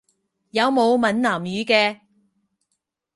有冇閩南語嘅？